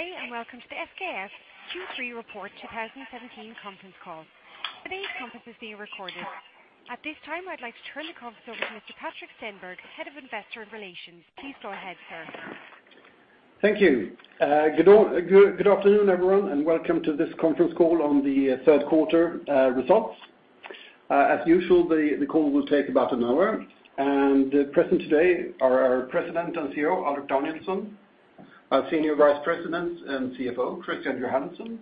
Good day, and welcome to the SKF Q3 Report 2017 conference call. Today's conference is being recorded. At this time, I'd like to turn the conference over to Mr. Patrik Stenberg, Head of Investor Relations. Please go ahead, sir. Thank you. Good afternoon, everyone, and welcome to this conference call on the Q3 results. As usual, the call will take about an hour. Present today are our President and CEO, Alrik Danielsson, our Senior Vice President and CFO, Christian Johansson.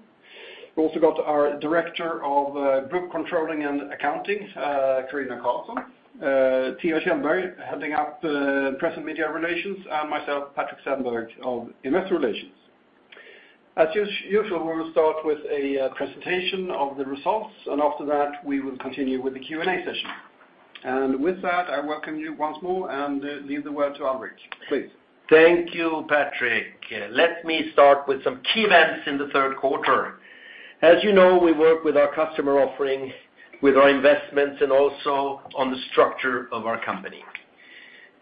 We've also got our Director of Group Controlling and Accounting, Carina Karlsson, Theo Kjellberg, heading up the Press and Media Relations, and myself, Patrik Stenberg of Investor Relations. As usual, we will start with a presentation of the results, and after that, we will continue with the Q&A session. With that, I welcome you once more and leave the word to Alrik. Please. Thank you, Patrik. Let me start with some key events in the Q3. As you know, we work with our customer offerings, with our investments, and also on the structure of our company.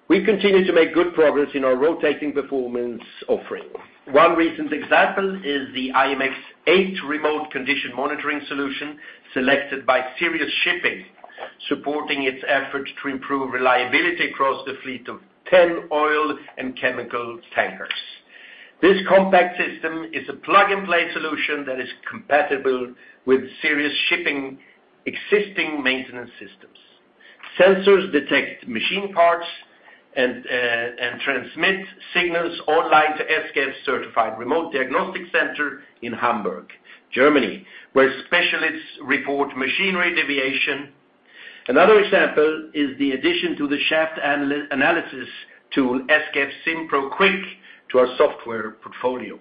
We continue to make good progress in our rotating performance offering. One recent example is the IMx-8 remote condition monitoring solution, selected by Sirius Shipping, supporting its effort to improve reliability across the fleet of 10 oil and chemical tankers. This compact system is a plug-and-play solution that is compatible with Sirius Shipping's existing maintenance systems. Sensors detect machine parts and transmit signals online to SKF's certified remote diagnostic center in Hamburg, Germany, where specialists report machinery deviation. Another example is the addition to the shaft analysis tool, SKF SimPro Quick, to our software portfolio.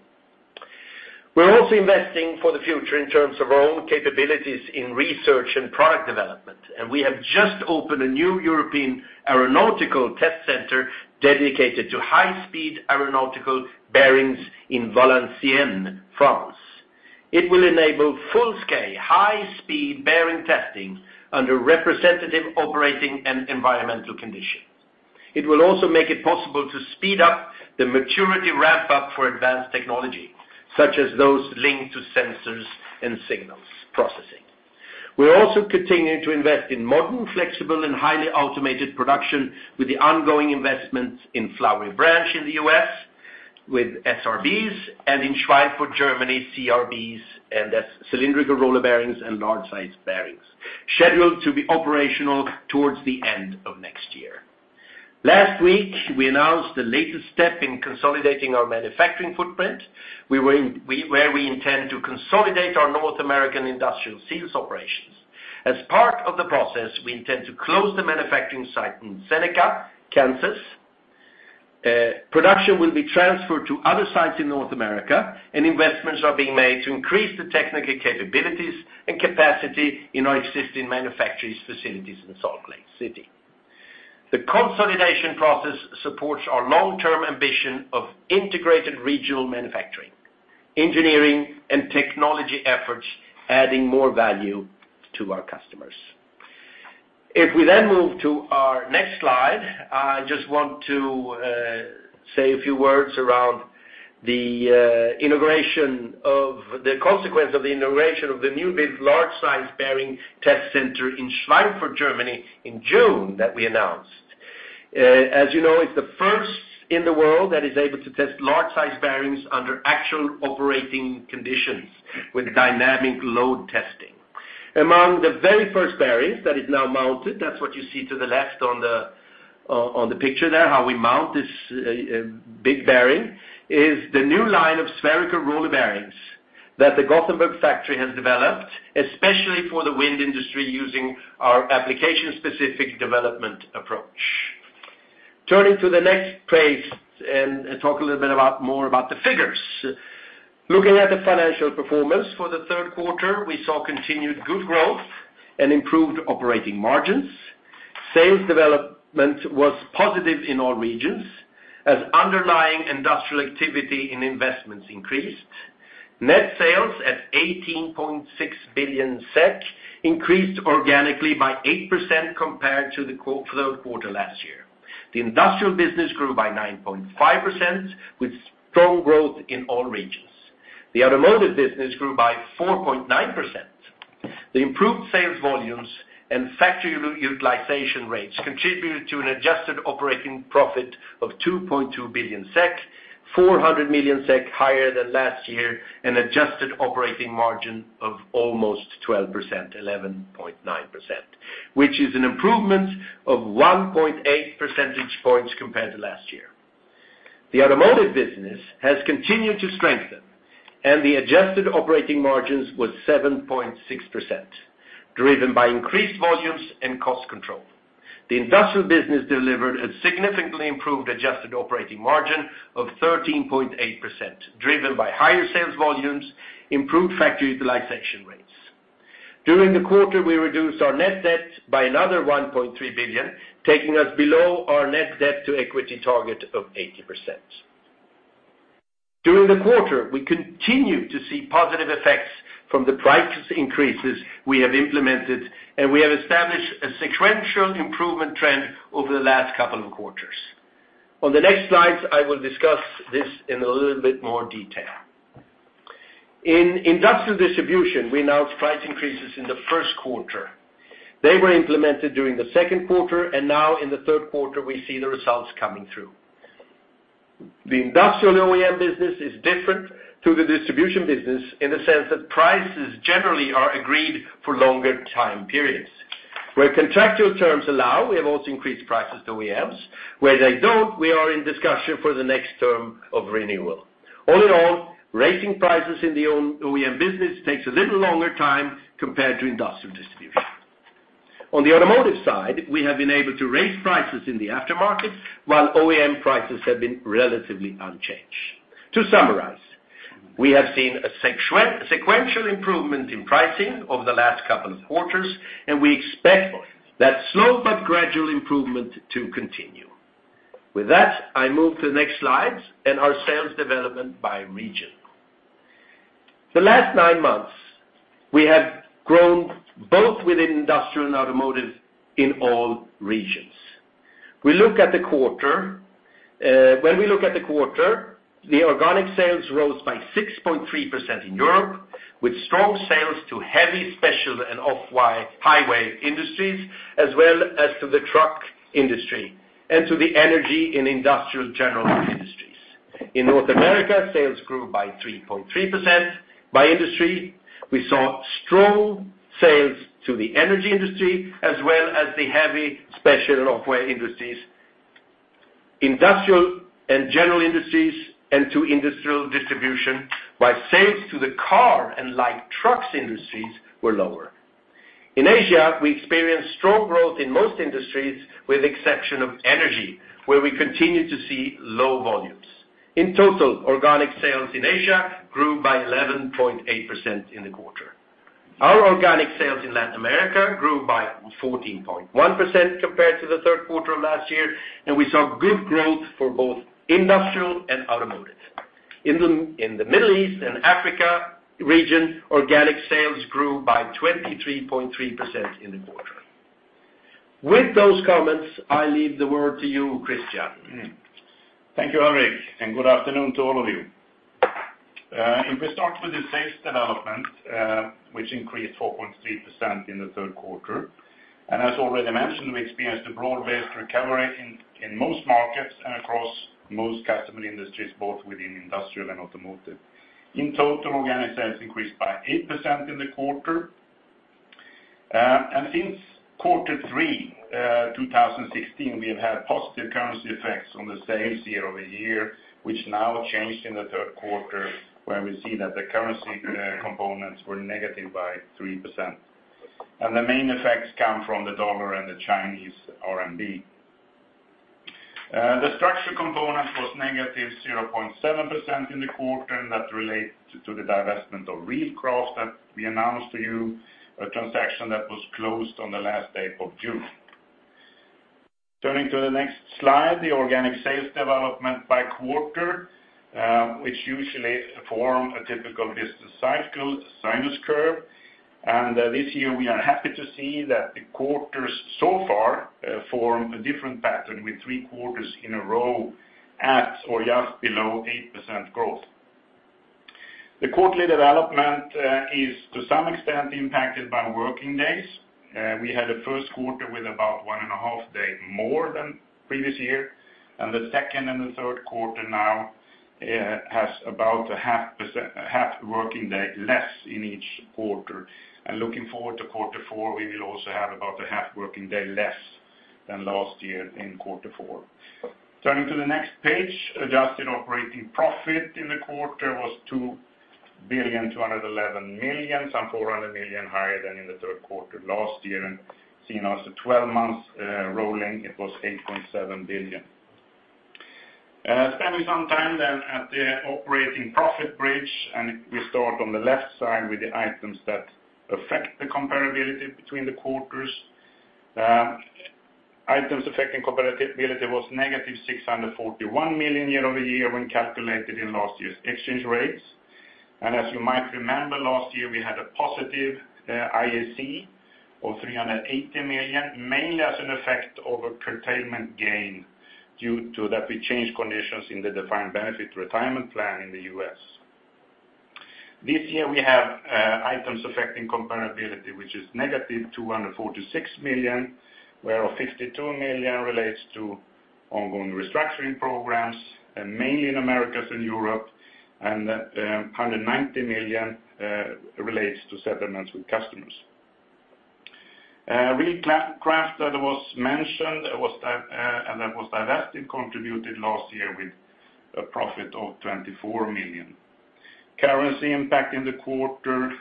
We're also investing for the future in terms of our own capabilities in research and product development, and we have just opened a new European aeronautical test center dedicated to high-speed aeronautical bearings in Valenciennes, France. It will enable full-scale, high-speed bearing testing under representative operating and environmental conditions. It will also make it possible to speed up the maturity ramp-up for advanced technology, such as those linked to sensors and signals processing. We're also continuing to invest in modern, flexible, and highly automated production with the ongoing investments in Flowery Branch in the U.S., with SRBs, and in Schweinfurt, Germany, CRBs, and that's cylindrical roller bearings and large-sized bearings, scheduled to be operational towards the end of next year. Last week, we announced the latest step in consolidating our manufacturing footprint where we intend to consolidate our North American industrial sales operations. As part of the process, we intend to close the manufacturing site in Seneca, Kansas. Production will be transferred to other sites in North America, and investments are being made to increase the technical capabilities and capacity in our existing manufacturing facilities in Salt Lake City. The consolidation process supports our long-term ambition of integrated regional manufacturing, engineering, and technology efforts, adding more value to our customers. If we then move to our next slide, I just want to say a few words around the consequence of the integration of the new big large-size bearing test center in Schweinfurt, Germany, in June, that we announced. As you know, it's the first in the world that is able to test large-size bearings under actual operating conditions with dynamic load testing. Among the very first bearings that is now mounted, that's what you see to the left on the picture there, how we mount this big bearing, is the new line of spherical roller bearings that the Gothenburg factory has developed, especially for the wind industry, using our application-specific development approach. Turning to the next page, and talk a little bit about more about the figures. Looking at the financial performance for the Q3, we saw continued good growth and improved operating margins. Sales development was positive in all regions, as underlying industrial activity and investments increased. Net sales at 18.6 billion SEK, increased organically by 8% compared to the Q3 last year. The industrial business grew by 9.5%, with strong growth in all regions. The automotive business grew by 4.9%. The improved sales volumes and factory utilization rates contributed to an adjusted operating profit of 2.2 billion SEK, 400 million SEK higher than last year, an adjusted operating margin of almost 12%, 11.9%, which is an improvement of 1.8 percentage points compared to last year. The automotive business has continued to strengthen, and the adjusted operating margins was 7.6%, driven by increased volumes and cost control. The industrial business delivered a significantly improved adjusted operating margin of 13.8%, driven by higher sales volumes, improved factory utilization rates. During the quarter, we reduced our net debt by another 1.3 billion, taking us below our net debt to equity target of 80%. During the quarter, we continued to see positive effects from the price increases we have implemented, and we have established a sequential improvement trend over the last couple of quarters. On the next slides, I will discuss this in a little bit more detail. In industrial distribution, we announced price increases in the Q1. They were implemented during the Q2, and now in the Q3, we see the results coming through. The industrial OEM business is different to the distribution business in the sense that prices generally are agreed for longer time periods. Where contractual terms allow, we have also increased prices to OEMs. Where they don't, we are in discussion for the next term of renewal. All in all, raising prices in the own OEM business takes a little longer time compared to industrial distribution. On the automotive side, we have been able to raise prices in the aftermarket, while OEM prices have been relatively unchanged. To summarize, we have seen a sequential, sequential improvement in pricing over the last couple of quarters, and we expect that slow but gradual improvement to continue. With that, I move to the next slide, and our sales development by region. The last nine months, we have grown both within industrial and automotive in all regions. When we look at the quarter, the organic sales rose by 6.3% in Europe, with strong sales to heavy, special, and off-highway industries, as well as to the truck industry, and to the energy in industrial general industries. In North America, sales grew by 3.3%. By industry, we saw strong sales to the energy industry, as well as the heavy special off-highway industries, industrial and general industries, and to industrial distribution, while sales to the car and light trucks industries were lower. In Asia, we experienced strong growth in most industries, with exception of energy, where we continue to see low volumes. In total, organic sales in Asia grew by 11.8% in the quarter. Our organic sales in Latin America grew by 14.1% compared to the Q3 of last year, and we saw good growth for both industrial and automotive. In the Middle East and Africa region, organic sales grew by 23.3% in the quarter. With those comments, I leave the word to you, Christian. Thank you, Alrik, and good afternoon to all of you. If we start with the sales development, which increased 4.3% in the Q3, and as already mentioned, we experienced a broad-based recovery in most markets and across most customer industries, both within industrial and automotive. In total, organic sales increased by 8% in the quarter. And since quarter three 2016, we have had positive currency effects on the sales quarter-over-quarter, which now changed in the Q3, where we see that the currency components were negative by 3%. And the main effects come from the dollar and the Chinese RMB. The structural component was negative 0.7% in the quarter, and that relates to the divestment of Reelcraft that we announced to you, a transaction that was closed on the last day of June. Turning to the next slide, the organic sales development by quarter, which usually form a typical business cycle, sine curve. This year, we are happy to see that the quarters so far form a different pattern, with three quarters in a row at or just below 8% growth. The quarterly development is to some extent impacted by working days. We had a Q1 with about 1.5 days more than previous year, and the second and the Q3 now has about a half working day less in each quarter. Looking forward to quarter four, we will also have about a half working day less than last year in quarter four. Turning to the next page, adjusted operating profit in the quarter was 2,211 million, some 400 million higher than in the Q3 last year, and seen as a 12-month rolling, it was 8.7 billion. Spending some time then at the operating profit bridge, and we start on the left side with the items that affect the comparability between the quarters. Items affecting comparability was -641 million quarter-over-quarter when calculated in last year's exchange rates. As you might remember, last year, we had a positive IAC of 380 million, mainly as an effect of curtailment gain, due to that we changed conditions in the defined benefit retirement plan in the U.S. This year, we have items affecting comparability, which is negative 246 million, whereof 52 million relates to ongoing restructuring programs, and mainly in Americas and Europe, and 190 million relates to settlements with customers. Reelcraft that was mentioned, was that, and that was divested, contributed last year with a profit of 24 million. Currency impact in the quarter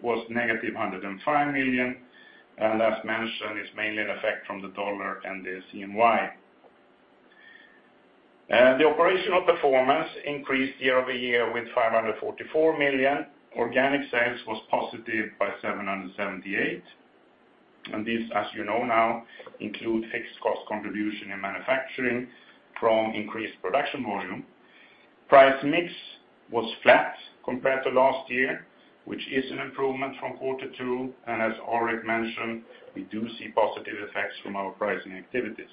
was negative 105 million, and as mentioned, it's mainly an effect from the dollar and the CNY. The operational performance increased quarter-over-quarter with 544 million. Organic sales was positive by 778 million, and this, as you know now, include fixed cost contribution in manufacturing from increased production volume. Price mix was flat compared to last year, which is an improvement from quarter two, and as Alrik mentioned, we do see positive effects from our pricing activities.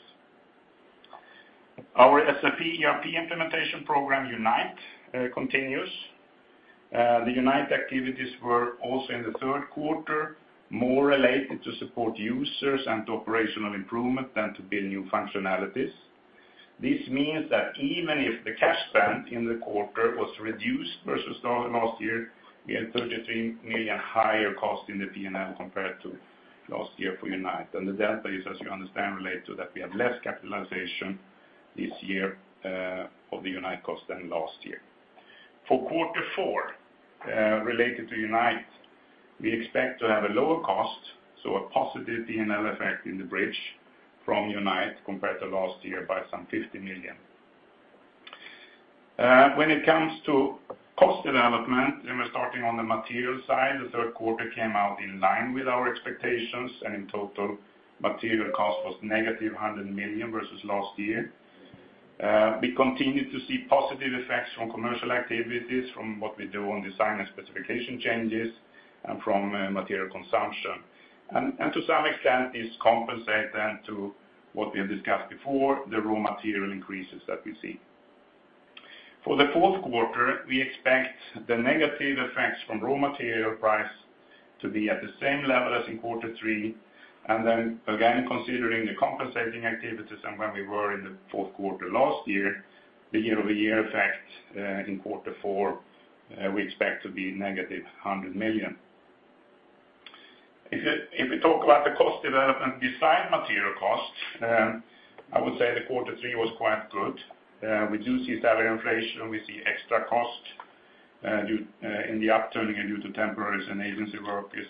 Our SAP ERP implementation program, Unite, continues. The Unite activities were also in the Q3, more related to support users and operational improvement than to build new functionalities. This means that even if the cash spend in the quarter was reduced versus starting last year, we had 33 million higher cost in the P&L compared to last year for Unite. And the delta is, as you understand, related to that we have less capitalization this year of the Unite cost than last year. For quarter four, related to Unite, we expect to have a lower cost, so a positive P&L effect in the bridge from Unite compared to last year by some 50 million. When it comes to cost development, and we're starting on the material side, the Q3 came out in line with our expectations, and in total, material cost was -100 million versus last year. We continued to see positive effects from commercial activities, from what we do on design and specification changes, and from material consumption. And to some extent, this compensate then to what we have discussed before, the raw material increases that we see. For the Q4, we expect the negative effects from raw material price to be at the same level as in quarter three, and then again, considering the compensating activities and where we were in the Q4 last year, the quarter-over-quarter effect in quarter four we expect to be -100 million. If we talk about the cost development, raw material costs, I would say quarter three was quite good. We do see salary inflation, we see extra cost due to the upturn and due to temporaries and agency workers,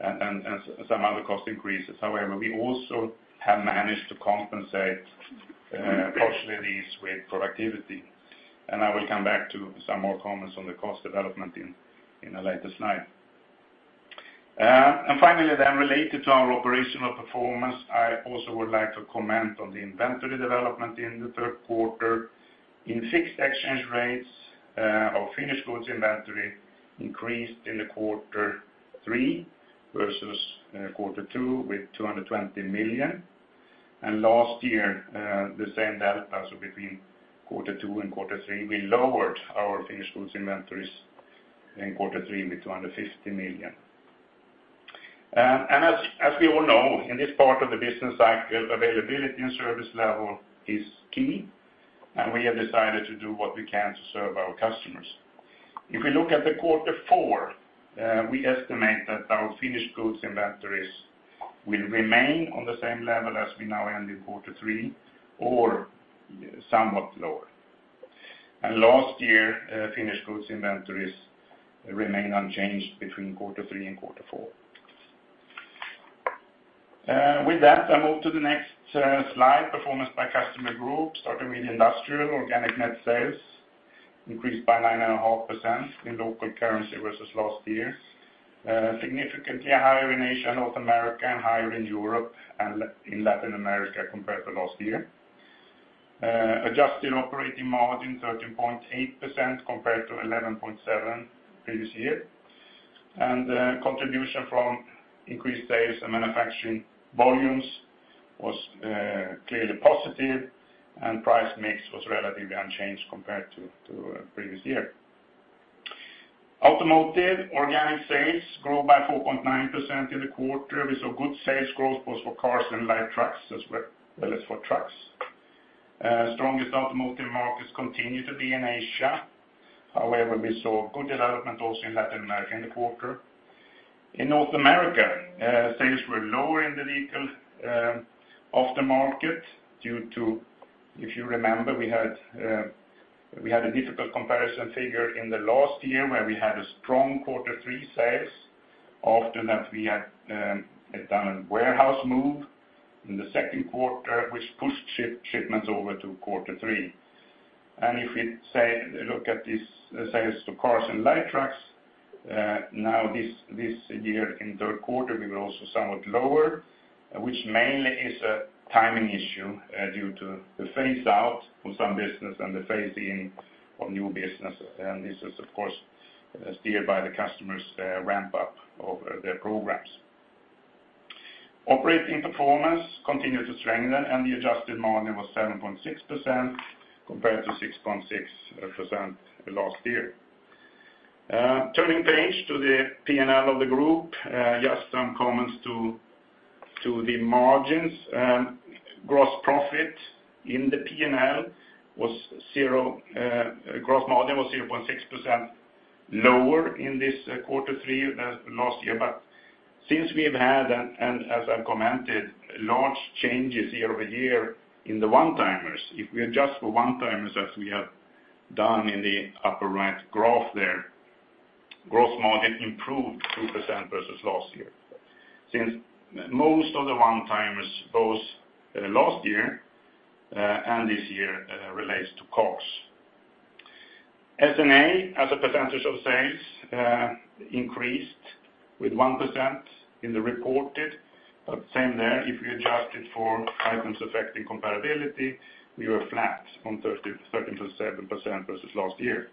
and some other cost increases. However, we also have managed to compensate partially these with productivity. And I will come back to some more comments on the cost development in a later slide. And finally, then related to our operational performance, I also would like to comment on the inventory development in the Q3. In fixed exchange rates, our finished goods inventory increased in quarter three versus quarter two, with 220 million. And last year, the same delta, so between quarter two and quarter three, we lowered our finished goods inventories in quarter three with 250 million. And as we all know, in this part of the business cycle, availability and service level is key, and we have decided to do what we can to serve our customers. If we look at quarter four, we estimate that our finished goods inventories will remain on the same level as we now end in quarter three, or somewhat lower. Last year, finished goods inventories remained unchanged between quarter three and quarter four. With that, I move to the next slide, performance by customer group, starting with industrial organic net sales increased by 9.5% in local currency versus last year. Significantly higher in Asia, North America, and higher in Europe and Latin America compared to last year. Adjusted operating margin, 13.8%, compared to 11.7% previous year. Contribution from increased sales and manufacturing volumes was clearly positive, and price mix was relatively unchanged compared to previous year. Automotive organic sales grew by 4.9% in the quarter. We saw good sales growth both for cars and light trucks, as well as for trucks. Strongest automotive markets continue to be in Asia. However, we saw good development also in Latin America in the quarter. In North America, sales were lower in the vehicle of the market, due to, if you remember, we had a difficult comparison figure in the last year, where we had a strong quarter three sales. After that, we had done a warehouse move in the Q2, which pushed shipments over to quarter three. And if we say, look at these sales to cars and light trucks, now this year in Q3, we were also somewhat lower, which mainly is a timing issue, due to the phase out for some business and the phase in of new business. And this is, of course, steered by the customers ramp up of their programs. Operating performance continued to strengthen, and the adjusted margin was 7.6%, compared to 6.6% last year. Turning page to the P&L of the group, just some comments to the margins. Gross profit in the P&L was zero, gross margin was 0.6% lower in this quarter three than last year. But since we've had, and as I've commented, large changes quarter-over-quarter in the one-timers, if we adjust for one-timers, as we have done in the upper right graph there, gross margin improved 2% versus last year. Since most of the one-timers, both last year, and this year, relates to costs. SG&A, as a percentage of sales, increased with 1% in the reported. But same there, if you adjust it for items affecting comparability, we were flat on 3%-13%-7% versus last year.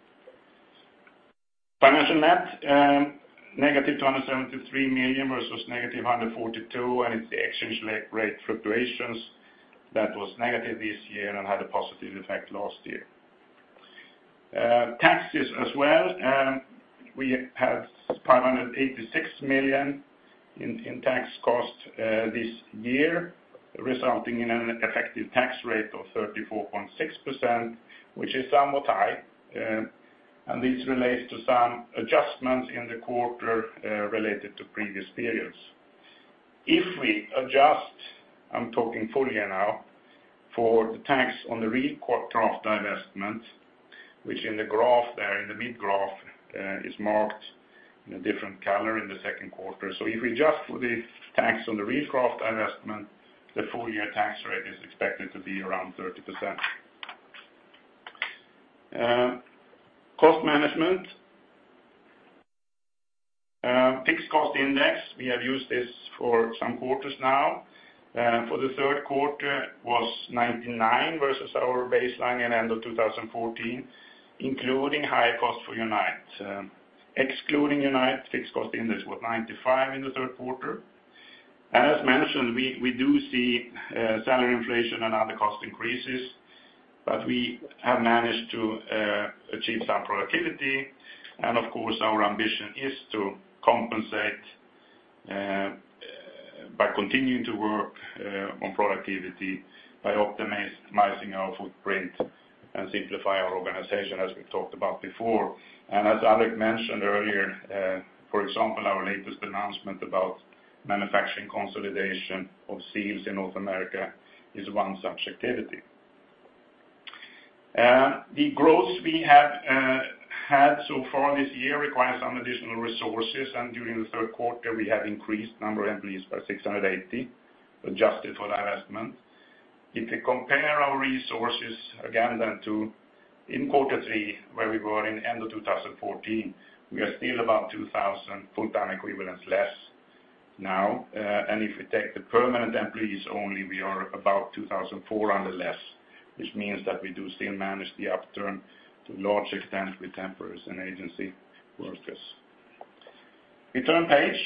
Financial net, negative 273 million versus negative 142 million, and it's the exchange rate fluctuations that was negative this year and had a positive effect last year. Taxes as well, we had 586 million in tax costs this year, resulting in an effective tax rate of 34.6%, which is somewhat high. And this relates to some adjustments in the quarter related to previous periods. If we adjust, I'm talking full year now, for the tax on the Reelcraft divestment, which in the graph there, in the mid graph, is marked in a different color in the Q2. So if we adjust for the tax on the Reelcraft divestment, the full year tax rate is expected to be around 30%. Cost management, fixed cost index, we have used this for some quarters now. For the Q3 was 99 versus our baseline in end of 2014, including high cost for Unite. Excluding Unite, fixed cost index was 95 in the Q3. As mentioned, we do see salary inflation and other cost increases, but we have managed to achieve some productivity. And of course, our ambition is to compensate by continuing to work on productivity, by optimizing our footprint and simplify our organization, as we talked about before. And as Alrik mentioned earlier, for example, our latest announcement about manufacturing consolidation of seals in North America is one such activity. The growth we have had so far this year requires some additional resources, and during the Q3, we have increased number of employees by 680, adjusted for divestment. If you compare our resources, again, then to in quarter three, where we were in end of 2014, we are still about 2,000 full-time equivalents less now. And if you take the permanent employees only, we are about 2,400 less, which means that we do still manage the upturn to large extent with temps and agency workers. We turn page.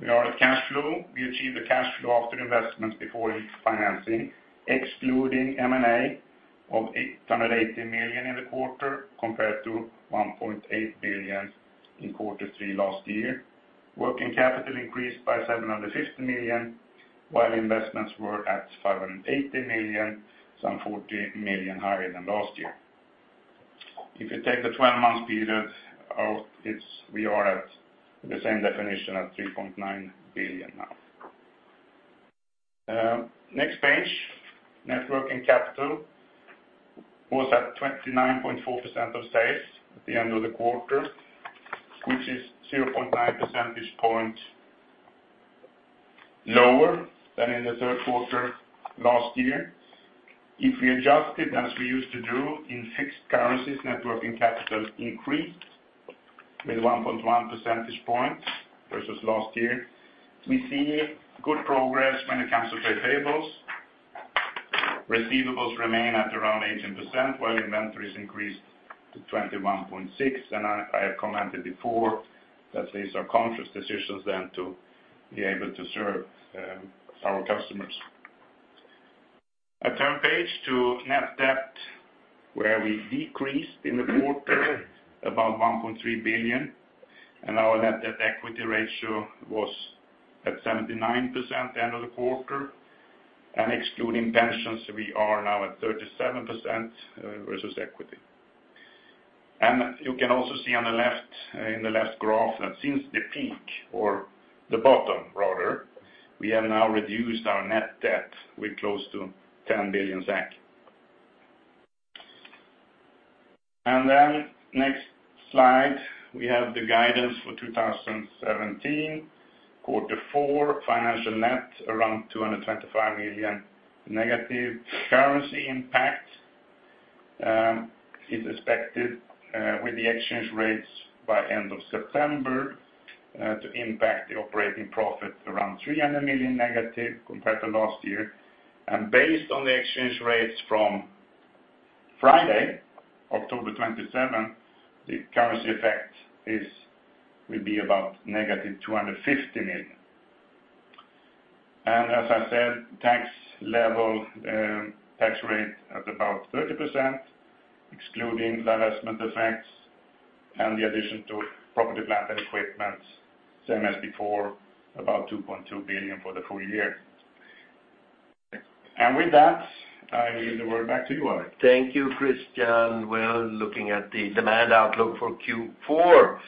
We are at cash flow. We achieve the cash flow after investments before financing, excluding M&A of 880 million in the quarter, compared to 1.8 billion in quarter three last year. Working capital increased by 750 million, while investments were at 580 million, some 40 million higher than last year. If you take the twelve-month period out, it's, we are at the same definition at 3.9 billion now. Next page, Net Working Capital was at 29.4% of sales at the end of the quarter, which is 0.9 percentage point lower than in the Q3 last year. If we adjust it as we used to do in fixed currencies, Net Working Capital increased with 1.1 percentage points versus last year. We see good progress when it comes to payables. Receivables remain at around 18%, while inventories increased to 21.6%, and I have commented before that these are conscious decisions than to be able to serve our customers. I turn page to net debt, where we decreased in the quarter about 1.3 billion, and our net debt equity ratio was at 79% at the end of the quarter, and excluding pensions, we are now at 37% versus equity. And you can also see on the left, in the left graph, that since the peak or the bottom rather, we have now reduced our net debt with close to 10 billion SEK. And then next slide, we have the guidance for 2017, quarter four, financial net, around 225 million negative currency impact, is expected, with the exchange rates by end of September, to impact the operating profit around 300 million negative compared to last year. Based on the exchange rates from Friday, October 27, the currency effect is, will be about -250 million. And as I said, tax level, tax rate at about 30%, excluding the investment effects and the addition to property, plant, and equipment, same as before, about 2.2 billion for the full year. And with that, I give the word back to you, Alrik. Thank you, Christian. Well, looking at the demand outlook for Q4,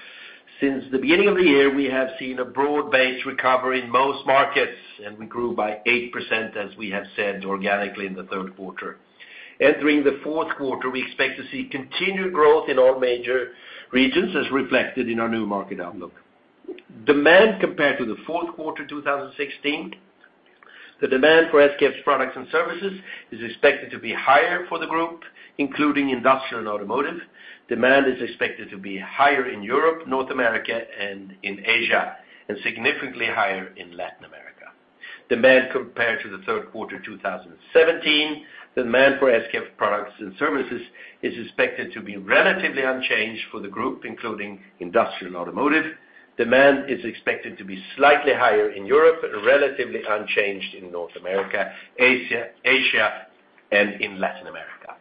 since the beginning of the year, we have seen a broad-based recovery in most markets, and we grew by 8%, as we have said, organically in the Q3. Entering the Q4, we expect to see continued growth in all major regions, as reflected in our new market outlook. Demand compared to the Q4 2016, the demand for SKF's products and services is expected to be higher for the group, including industrial and automotive. Demand is expected to be higher in Europe, North America, and in Asia, and significantly higher in Latin America. ... demand compared to the Q3, 2017, demand for SKF products and services is expected to be relatively unchanged for the group, including industrial and automotive. Demand is expected to be slightly higher in Europe, but relatively unchanged in North America, Asia, and in Latin America.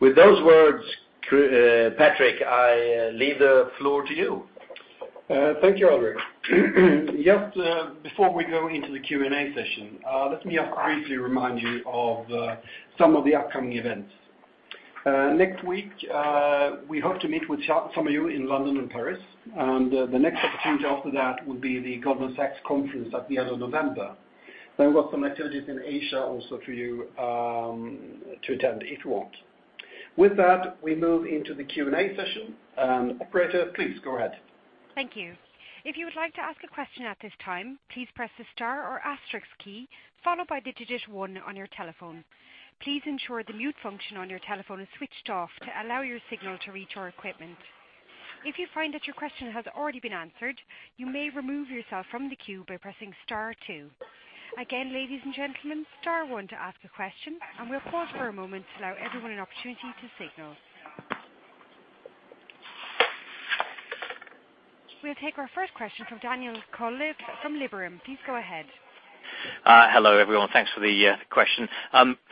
With those words, Patrik, I leave the floor to you. Thank you, Albert. Just before we go into the Q&A session, let me just briefly remind you of some of the upcoming events. Next week, we hope to meet with some of you in London and Paris, and the next opportunity after that will be the Goldman Sachs conference at the end of November. Then we've got some activities in Asia also for you to attend, if you want. With that, we move into the Q&A session. Operator, please go ahead. Thank you. If you would like to ask a question at this time, please press the star or asterisks key followed by the digit one on your telephone. Please ensure the mute function on your telephone is switched off to allow your signal to reach our equipment. If you find that your question has already been answered, you may remove yourself from the queue by pressing star two. Again, ladies and gentlemen, star one to ask a question, and we'll pause for a moment to allow everyone an opportunity to signal. We'll take our first question from Daniel Kolev from Liberum. Please go ahead. Hello, everyone. Thanks for the question.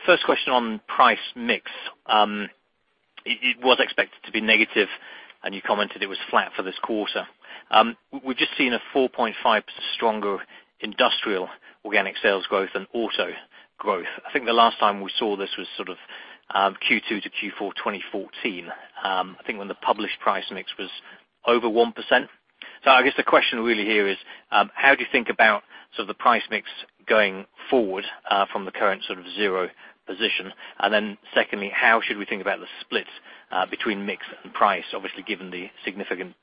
First question on price mix. It was expected to be negative, and you commented it was flat for this quarter. We've just seen a 4.5 stronger industrial organic sales growth than auto growth. I think the last time we saw this was sort of Q2 to Q4, 2014, I think when the published price mix was over 1%. So I guess the question really here is, how do you think about sort of the price mix going forward, from the current sort of zero position? And then secondly, how should we think about the splits between mix and price? Obviously, given the significant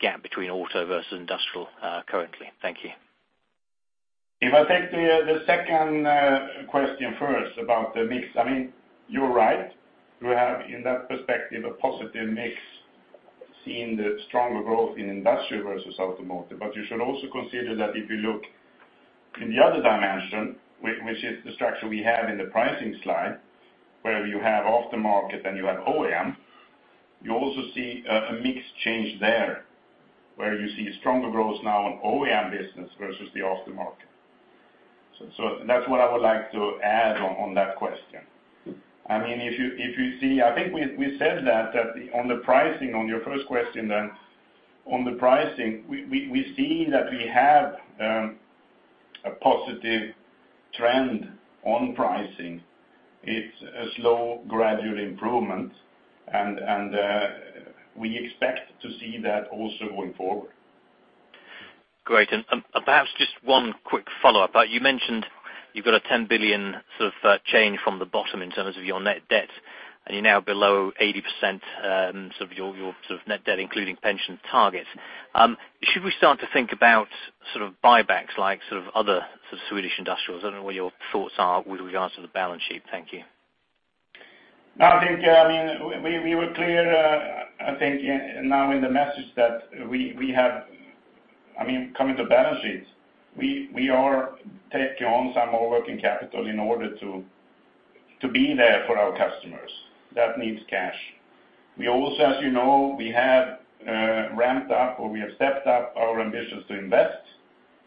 gap between auto versus industrial currently. Thank you. If I take the second question first about the mix, I mean, you're right. We have, in that perspective, a positive mix, seeing the stronger growth in industrial versus automotive. But you should also consider that if you look in the other dimension, which is the structure we have in the pricing slide, where you have aftermarket and you have OEM, you also see a mix change there, where you see stronger growth now on OEM business versus the aftermarket. So that's what I would like to add on that question. I mean, if you see... I think we said that on the pricing, on your first question then, on the pricing, we've seen that we have a positive trend on pricing. It's a slow, gradual improvement, and we expect to see that also going forward. Great. Perhaps just one quick follow-up. You mentioned you've got a 10 billion sort of change from the bottom in terms of your net debt, and you're now below 80%, sort of your, your sort of net debt, including pension targets. Should we start to think about sort of buybacks, like sort of other sort of Swedish industrials? I don't know what your thoughts are with regards to the balance sheet. Thank you. I think, I mean, we were clear, I think now in the message that we have, I mean, coming to balance sheets, we are taking on some more working capital in order to be there for our customers. That needs cash. We also, as you know, we have ramped up or we have stepped up our ambitions to invest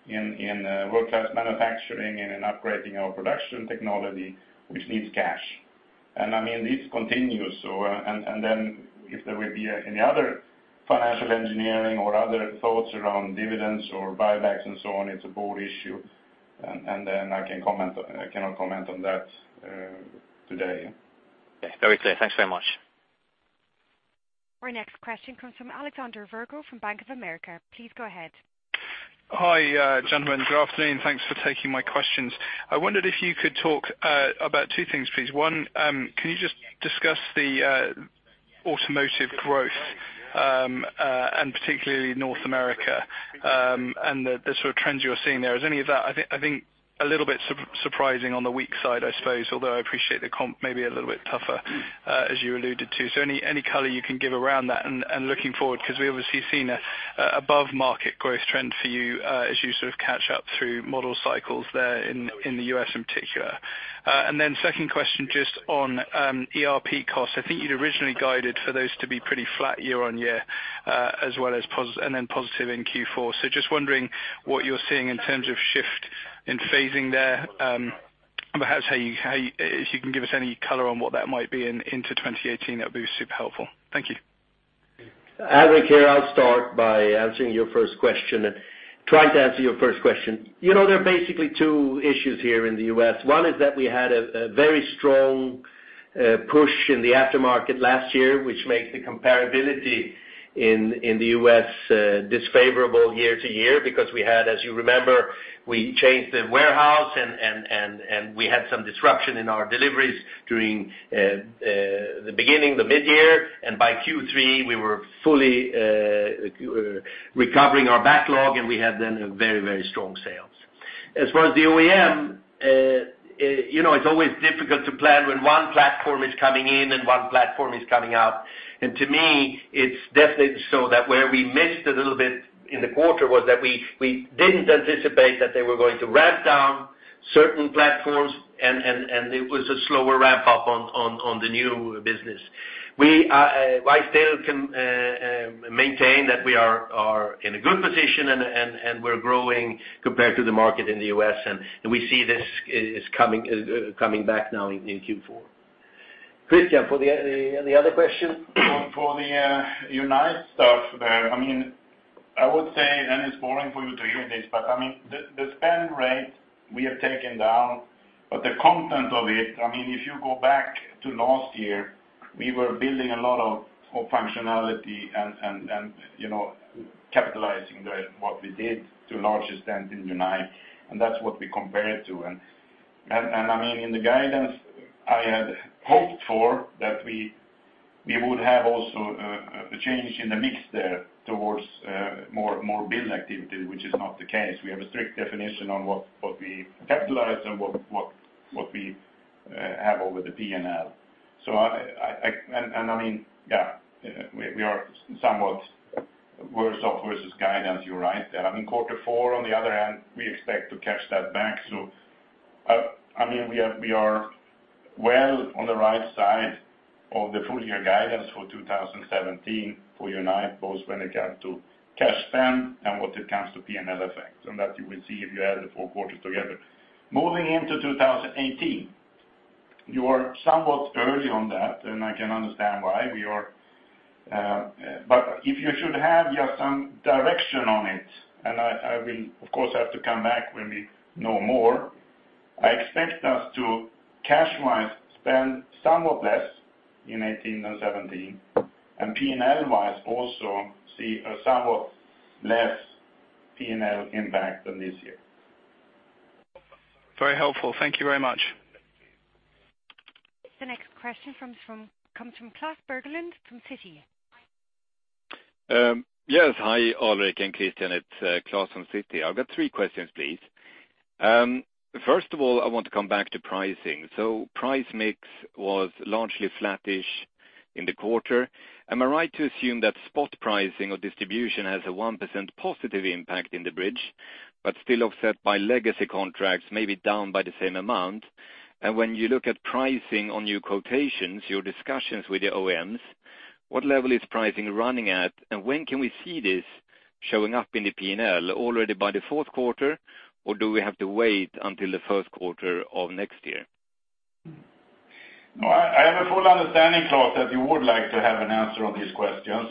in world-class manufacturing and in upgrading our production technology, which needs cash. And, I mean, this continues. So, and then if there will be any other financial engineering or other thoughts around dividends or buybacks and so on, it's a board issue, and then I can comment on, I cannot comment on that today. Okay, very clear. Thanks very much. Our next question comes from Alexander Virgo from Bank of America. Please go ahead. Hi, gentlemen. Good afternoon. Thanks for taking my questions. I wondered if you could talk about two things, please. One, can you just discuss the automotive growth and particularly North America and the sort of trends you are seeing there? Is any of that, I think, a little bit surprising on the weak side, I suppose, although I appreciate the comp may be a little bit tougher, as you alluded to. So any color you can give around that and looking forward, because we've obviously seen a above-market growth trend for you, as you sort of catch up through model cycles there in the U.S. in particular. And then second question, just on ERP costs. I think you'd originally guided for those to be pretty flat quarter-over-quarter, as well as positive in Q4. So just wondering what you're seeing in terms of shift in phasing there. Perhaps how you, if you can give us any color on what that might be into 2018, that would be super helpful. Thank you. Alexander, I'll start by answering your first question and trying to answer your first question. You know, there are basically two issues here in the U.S. One is that we had a very strong push in the aftermarket last year, which makes the comparability in the U.S. unfavorable quarter-over-quarter, because we had, as you remember, we changed the warehouse and we had some disruption in our deliveries during the beginning, the mid-year, and by Q3, we were fully recovering our backlog, and we had then a very, very strong sales. As far as the OEM,... You know, it's always difficult to plan when one platform is coming in and one platform is coming out. And to me, it's definitely so that where we missed a little bit in the quarter was that we didn't anticipate that they were going to ramp down certain platforms, and it was a slower ramp up on the new business. I still can maintain that we are in a good position, and we're growing compared to the market in the U.S., and we see this is coming back now in Q4. Christian, for the other question? For the Unite stuff there, I mean, I would say, and it's boring for you to hear this, but, I mean, the spend rate we have taken down, but the content of it, I mean, if you go back to last year, we were building a lot of functionality and, you know, capitalizing what we did to a large extent in Unite, and that's what we compare it to. I mean, in the guidance, I had hoped for that we would have also a change in the mix there towards more bill activity, which is not the case. We have a strict definition on what we capitalize and what we have over the P&L. I mean, yeah, we are somewhat worse off versus guidance, you're right there. I mean, quarter four, on the other hand, we expect to catch that back. So, I mean, we are well on the right side of the full year guidance for 2017, for Unite, both when it comes to cash spend and what it comes to P&L effect, and that you will see if you add the four quarters together. Moving into 2018, you are somewhat early on that, and I can understand why we are. But if you should have just some direction on it, and I will, of course, have to come back when we know more, I expect us to, cash-wise, spend somewhat less in 2018 than 2017, and P&L-wise, also see a somewhat less P&L impact than this year. Very helpful. Thank you very much. The next question comes from Klas Bergelund, from Citi. Yes, hi, Alrik and Christian, it's Klas from Citi. I've got three questions, please. First of all, I want to come back to pricing. So price mix was largely flattish in the quarter. Am I right to assume that spot pricing or distribution has a 1% positive impact in the bridge, but still offset by legacy contracts, maybe down by the same amount? And when you look at pricing on new quotations, your discussions with the OEMs, what level is pricing running at, and when can we see this showing up in the P&L? Already by the Q4, or do we have to wait until the Q1 of next year? No, I have a full understanding, Klas, that you would like to have an answer on these questions,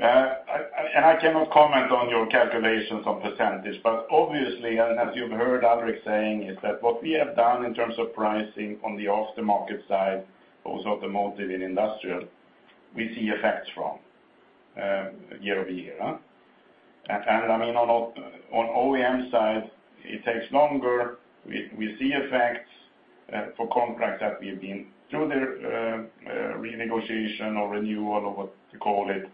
and I cannot comment on your calculations on percentages, but obviously, and as you've heard Alrik saying, is that what we have done in terms of pricing on the aftermarket side, also automotive and industrial, we see effects from quarter-over-quarter. And I mean, on OEM side, it takes longer. We see effects for contracts that we've been through the renegotiation or renewal or what to call it.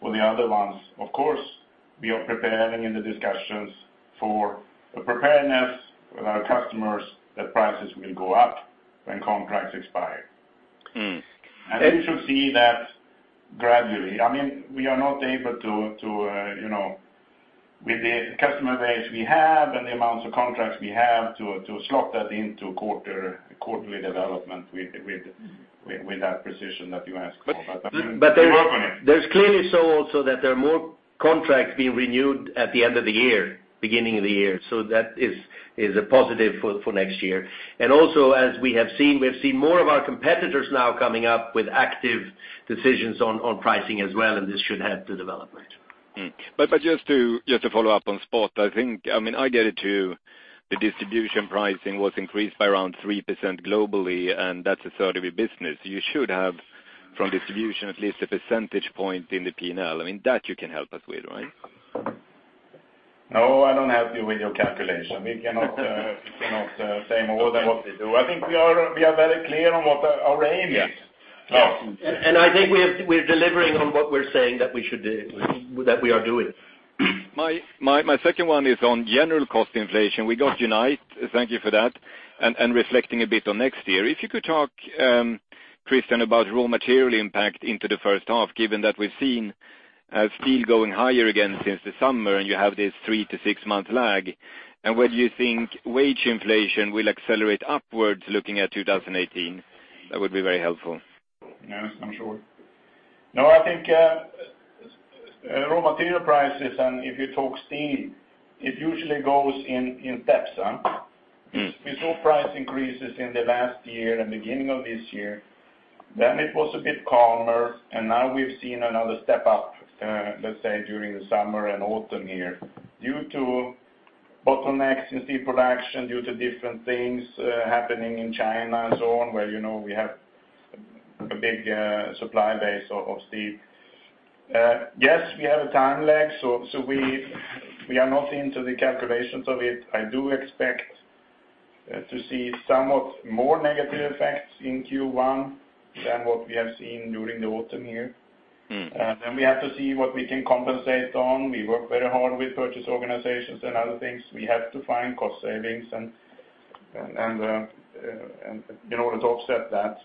For the other ones, of course, we are preparing in the discussions for a preparedness with our customers that prices will go up when contracts expire. Mm. You should see that gradually. I mean, we are not able to, you know, with the customer base we have and the amounts of contracts we have to slot that into quarterly development with that precision that you ask for, but we work on it. There's clearly so also that there are more contracts being renewed at the end of the year, beginning of the year, so that is a positive for next year. And also, as we have seen, we've seen more of our competitors now coming up with active decisions on pricing as well, and this should help the development. But just to follow up on spot, I think, I mean, I get it, too, the distribution pricing was increased by around 3% globally, and that's a third of your business. You should have, from distribution, at least a percentage point in the P&L. I mean, that you can help us with, right? No, I don't help you with your calculation. We cannot, we cannot, say more than what we do. I think we are, we are very clear on what our aim is. Yes. Klas- And I think we are, we're delivering on what we're saying that we should do, that we are doing. My second one is on general cost inflation. We got Unite, thank you for that, and reflecting a bit on next year. If you could talk, Christian, about raw material impact into the H1, given that we've seen steel going higher again since the summer, and you have this 3-6-month lag. And whether you think wage inflation will accelerate upwards looking at 2018, that would be very helpful. Yes, I'm sure. No, I think raw material prices, and if you talk steel, it usually goes in steps, huh? Mm. We saw price increases in the last year and beginning of this year. Then it was a bit calmer, and now we've seen another step up, let's say, during the summer and autumn here, due to bottlenecks in steel production, due to different things happening in China and so on, where, you know, we have a big supply base of steel. Yes, we have a time lag, so we are not into the calculations of it. I do expect to see somewhat more negative effects in Q1 than what we have seen during the autumn here. Then we have to see what we can compensate on. We work very hard with purchase organizations and other things. We have to find cost savings and you know, to offset that.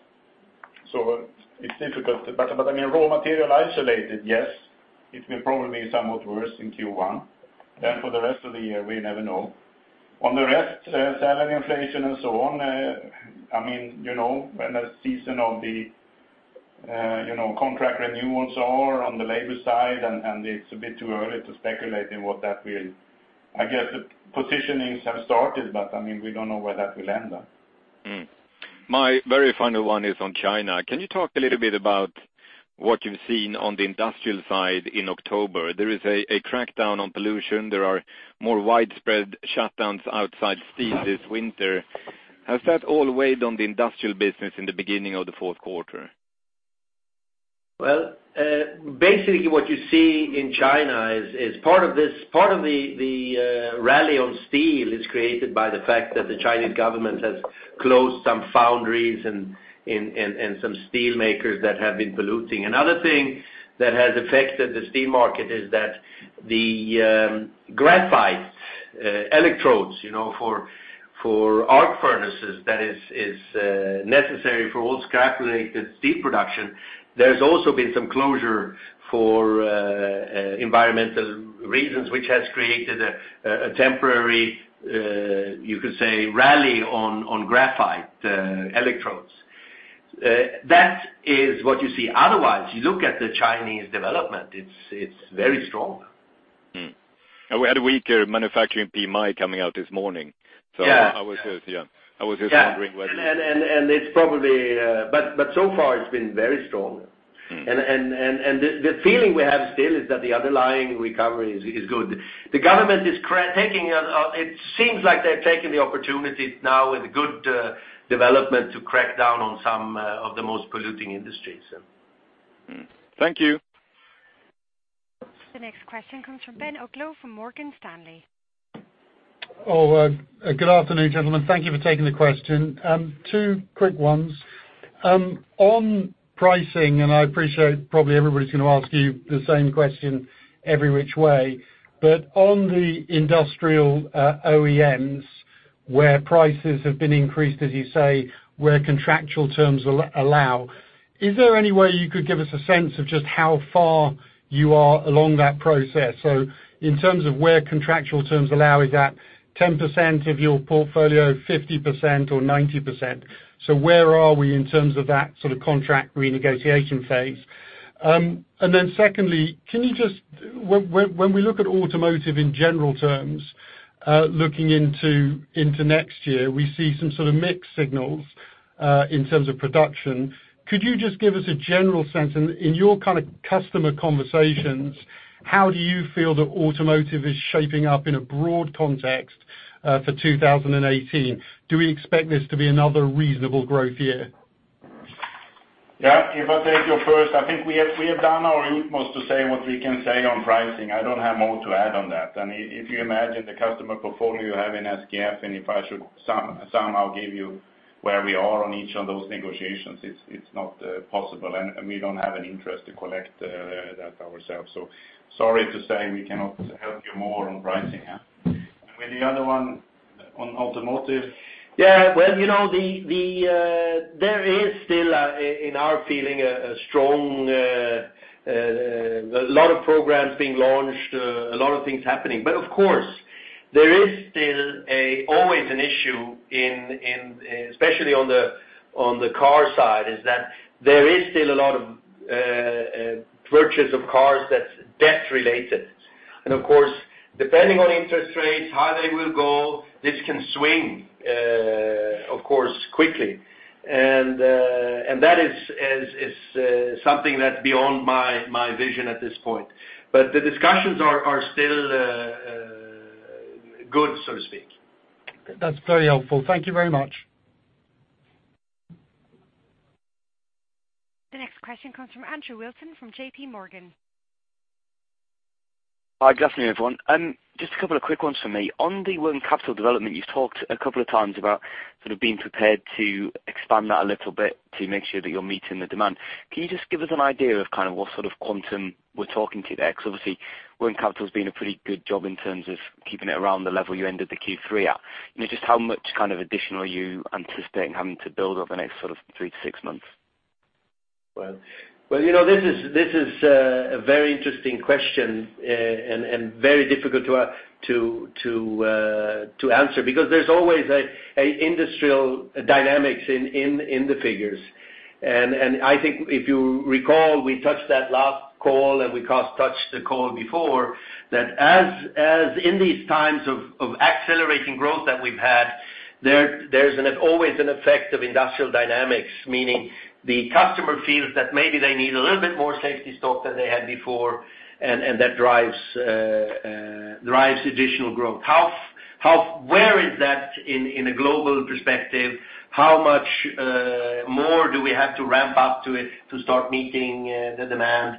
So it's difficult. But I mean, raw material isolated, yes, it will probably be somewhat worse in Q1. Then for the rest of the year, we never know. On the rest, salary inflation and so on, I mean, you know, when the season of the you know contract renewals are on the labor side, and it's a bit too early to speculate in what that will... I guess the positionings have started, but I mean, we don't know where that will end up. My very final one is on China. Can you talk a little bit about what you've seen on the industrial side in October? There is a crackdown on pollution. There are more widespread shutdowns outside steel this winter. Has that all weighed on the industrial business in the beginning of the Q4? Well, basically, what you see in China is part of this, part of the rally on steel is created by the fact that the Chinese government has closed some foundries and some steelmakers that have been polluting. Another thing that has affected the steel market is that the graphite electrodes, you know, for arc furnaces, that is necessary for all scrap-related steel production. There's also been some closure for environmental reasons, which has created a temporary, you could say, rally on graphite electrodes. That is what you see. Otherwise, you look at the Chinese development, it's very strong. We had a weaker manufacturing PMI coming out this morning. Yeah. So I was, yeah, I was just wondering whether- Yeah. It's probably... But so far, it's been very strong. Mm. And the feeling we have still is that the underlying recovery is good. The government is taking, it seems like they're taking the opportunity now with the good development, to crack down on some of the most polluting industries, so. Mm. Thank you. The next question comes from Ben Uglow from Morgan Stanley. Oh, good afternoon, gentlemen. Thank you for taking the question. Two quick ones. On pricing, and I appreciate probably everybody's gonna ask you the same question every which way, but on the industrial, OEMs, where prices have been increased, as you say, where contractual terms allow, is there any way you could give us a sense of just how far you are along that process? So in terms of where contractual terms allow, is that 10% of your portfolio, 50% or 90%? So where are we in terms of that sort of contract renegotiation phase? And then secondly, can you just... When we look at automotive in general terms, looking into next year, we see some sort of mixed signals in terms of production. Could you just give us a general sense, and in your kind of customer conversations, how do you feel that automotive is shaping up in a broad context, for 2018? Do we expect this to be another reasonable growth year? Yeah, if I take your first, I think we have, we have done our utmost to say what we can say on pricing. I don't have more to add on that. And if you imagine the customer portfolio you have in SKF, and if I should somehow give you where we are on each of those negotiations, it's, it's not possible, and, and we don't have an interest to collect that ourselves. So sorry to say, we cannot help you more on pricing, yeah. And with the other one, on automotive. Yeah, well, you know, there is still, in our feeling, a strong, a lot of programs being launched, a lot of things happening. But of course, there is still always an issue in, especially on the car side, that there is still a lot of purchase of cars that's debt-related. And of course, depending on interest rates, how they will go, this can swing, of course, quickly. And that is something that's beyond my vision at this point. But the discussions are still good, so to speak. That's very helpful. Thank you very much. The next question comes from Andrew Wilson, from JP Morgan. Hi, good afternoon, everyone. Just a couple of quick ones from me. On the working capital development, you've talked a couple of times about sort of being prepared to expand that a little bit to make sure that you're meeting the demand. Can you just give us an idea of kind of what sort of quantum we're talking to there? Because obviously, working capital has been a pretty good job in terms of keeping it around the level you ended the Q3 at. And just how much kind of additional are you anticipating having to build over the next sort of three to six months? Well, you know, this is a very interesting question, and very difficult to answer, because there's always an industrial dynamics in the figures. And I think if you recall, we touched that last call, and we cross-touched the call before, that in these times of accelerating growth that we've had, there's always an effect of industrial dynamics, meaning the customer feels that maybe they need a little bit more safety stock than they had before, and that drives additional growth. How, where is that in a global perspective? How much more do we have to ramp up to start meeting the demand